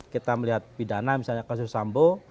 kita melihat pidana misalnya kasus sambo